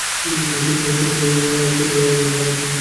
বিচ্ছেদের জন্য সামাজিক যোগাযোগের ওয়েবসাইট কখনো মূল কারণ হতে পারে না।